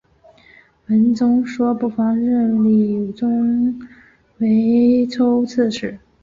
文宗说不妨任李宗闵为州刺史。